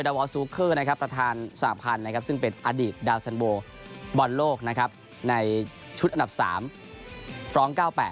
โดยดาวอสซูเกอร์ประธานสนับพันธ์ซึ่งเป็นอดีตดาวสันโบบอลโลกในชุดอันดับ๓ฟร้อง๙๘